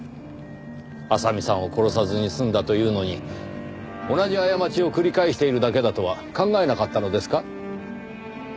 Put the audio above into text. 麻美さんを殺さずに済んだというのに同じ過ちを繰り返しているだけだとは考えなかったのですか？